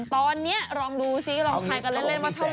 ตอนนี้ลองดูซิลองทายกันเล่นว่าเท่าไ